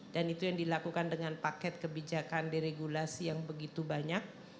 dan itu yang dilakukan dengan paket kebijakan di regulasi yang begitu banyak